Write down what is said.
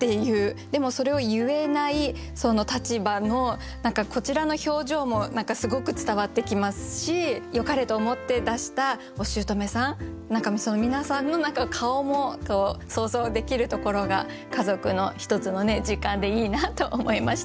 でもそれを言えない立場のこちらの表情もすごく伝わってきますしよかれと思って出したおしゅうとめさん何か皆さんの顔も想像できるところが家族の一つの時間でいいなと思いました。